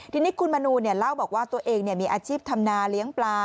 ทีนี้คุณมนูเล่าบอกว่าตัวเองมีอาชีพทำนาเลี้ยงปลา